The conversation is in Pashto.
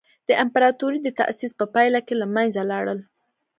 د امپراتورۍ د تاسیس په پایله کې له منځه لاړل.